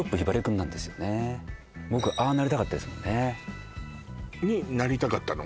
僕ああなりたかったですもんねになりたかったの？